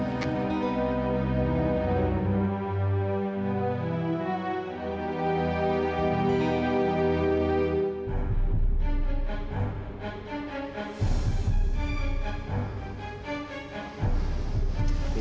aku lebih semua pikir brasil itu ber document tego